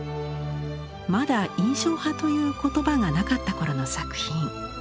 まだ「印象派」という言葉がなかった頃の作品。